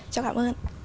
cháu cảm ơn